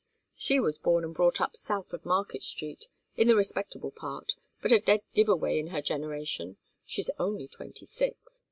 "She was born and brought up south of Market Street, in the respectable part, but a dead give away in her generation: she's only twenty six.